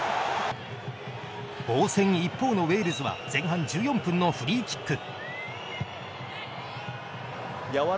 防戦一方のウェールズは前半１４分のフリーキック。